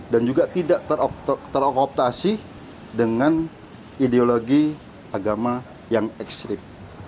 dan juga tidak terokoptasi dengan ideologi agama yang ekstrim